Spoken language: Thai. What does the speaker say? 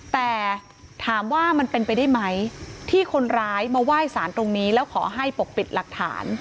แต่ถามว่ามันเป็นไปได้ไหมที่คนร้ายมาไหว้สารตรงนี้แล้วขอให้ปกปิดหลักฐาน